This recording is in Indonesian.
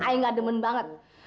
i nggak demen banget